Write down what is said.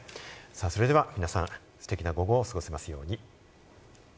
それでは皆さん、ステキな午後を過ごせますように。